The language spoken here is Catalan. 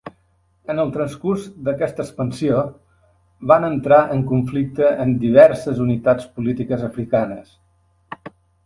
En el transcurs d'aquesta expansió, van entrar en conflicte amb diverses unitats polítiques africanes.